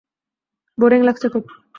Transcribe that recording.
Boring লাগছে খুব।